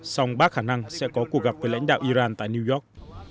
song bác khả năng sẽ có cuộc gặp với lãnh đạo iran tại new york